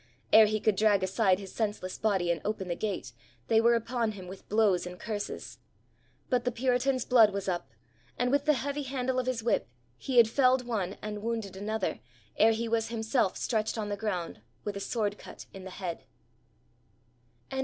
Ere he could drag aside his senseless body and open the gate, they were upon him with blows and curses. But the puritan's blood was up, and with the heavy handle of his whip he had felled one and wounded another ere he was himself stretched on the ground with a sword cut in the head.